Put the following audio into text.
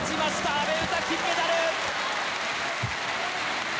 阿部詩、金メダル！